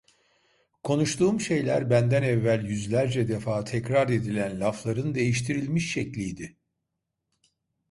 Konuştuğum şeyler benden evvel yüzlerce defa tekrar edilen lafların değiştirilmiş şekliydi.